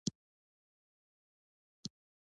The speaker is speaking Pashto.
ناول په کومه ځانګړې سیمه پورې محدود نه دی.